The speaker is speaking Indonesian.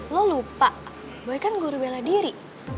lo lupa gue kan guru bela diri